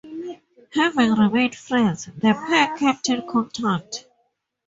Having remained friends, the pair kept in contact.